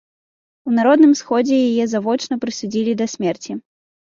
У народным сходзе яе завочна прысудзілі да смерці.